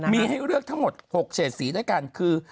มีให้เลือกทั้งหมด๖เฉดสีด้วยกันคือ